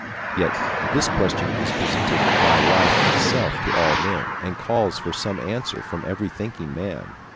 Yet this question is presented by life itself to all men, and calls for some answer from every thinking man.